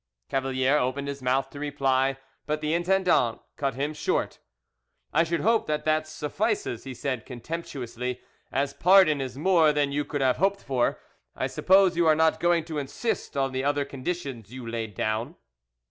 Cavalier opened his mouth to reply, but the intendant cut him short. "I should hope that that suffices," he said contemptuously: "as pardon is more than you could have hoped for, I suppose you are not going to insist on the other conditions you laid down?"